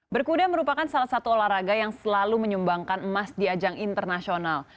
berkuda merupakan salah satu olahraga yang selalu menyumbangkan emas di ajang internasional